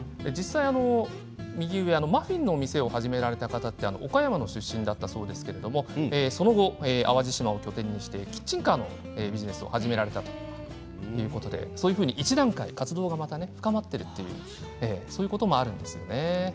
右上のマフィンのお店を始めた方は岡山出身だそうですけれどもその後、淡路島を拠点としてキッチンカーのビジネスも始められたということで１段階、活動が深まっているそういうこともあるんですね。